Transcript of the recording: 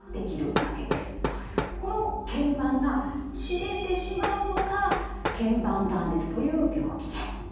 このけん板が切れてしまうのがけん板断裂という病気です。